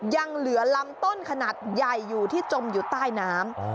ยังเหลือลำต้นขนาดใหญ่อยู่ที่จมอยู่ใต้น้ำ